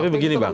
tapi begini bang